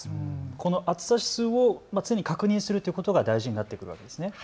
この暑さ指数を常に確認するということが大事になってくるわけですね。